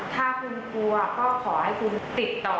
ถ้าคุณกลัวก็ขอให้คุณติดต่อ